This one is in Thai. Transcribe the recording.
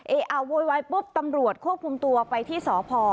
โวยวายปุ๊บตำรวจควบคุมตัวไปที่สพ